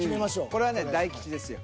これはね大吉ですよ